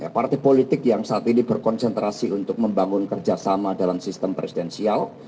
partai politik yang saat ini berkonsentrasi untuk membangun kerjasama dalam sistem presidensial